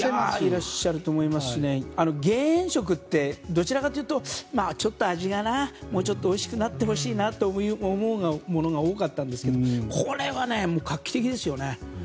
いらっしゃると思いますし減塩食ってどちらかというとちょっと味がもうちょっとおいしくなってほしいなと思うものが多かったんですがこれは画期的ですよね。